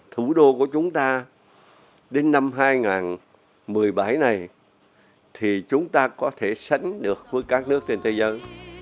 thủ đô của chúng ta đến năm hai nghìn một mươi bảy này thì chúng ta có thể sánh được với các nước trên thế giới